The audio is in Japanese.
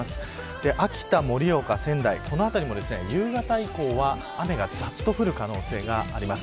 秋田、盛岡、仙台の辺りも夕方以降は雨がざっと降る可能性があります。